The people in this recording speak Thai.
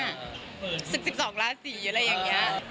๑๒ราศีอะไรอย่างนี้